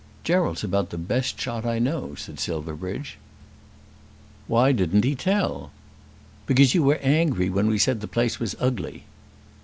"Gerald's about the best shot I know," said Silverbridge. "Why didn't he tell?" "Because you were angry when we said the place was ugly."